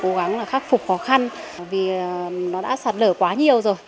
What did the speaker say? trường đã cố gắng khắc phục khó khăn vì nó đã sạt lở quá nhiều rồi